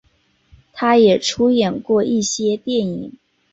他也出演过一些电影。